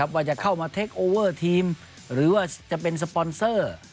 ว่าจะเข้ามาเทคโอเวอร์ทีมหรือว่าจะเป็นสปอนเซอร์